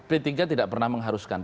p tiga tidak pernah mengharuskan